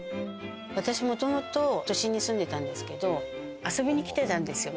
私もともと都心に住んでたんですけど遊びに来てたんですよ